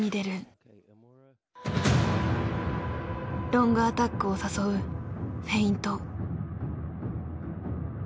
ロングアタックを誘うフェイント。